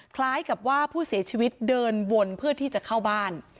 คล้ายกับว่าผู้เสียชีวิตเดินวนเพื่อที่จะเข้าบ้าน